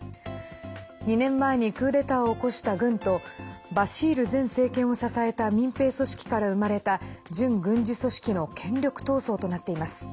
２年前にクーデターを起こした軍とバシール前政権を支えた民兵組織から生まれた準軍事組織の権力闘争となっています。